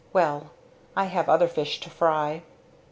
Well I have other fish to fry!"